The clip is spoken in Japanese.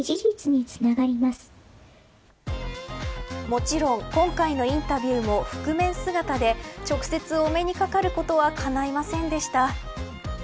もちろん今回のインタビューも覆面姿で直接お目にかかることは叶いませんでした。